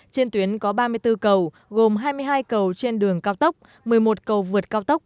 trên tuyến có ba mươi bốn cầu gồm hai mươi hai cầu trên đường cao tốc một mươi một cầu vượt cao tốc